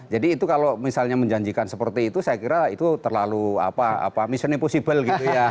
jadi itu kalau misalnya menjanjikan seperti itu saya kira itu terlalu misalnya possible gitu ya